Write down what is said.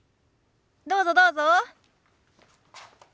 どうぞどうぞ。